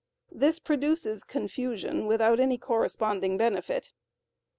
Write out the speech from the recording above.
This produces confusion without any corresponding benefit.